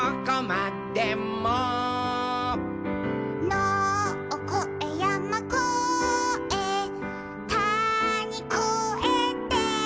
「のをこえやまこえたにこえて」